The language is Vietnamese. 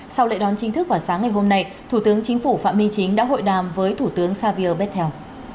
sau lệ đón chính thức vào sáng ngày hôm nay thủ tướng chính phủ phạm minh chính đã hội đàm với thủ tướng xavier betel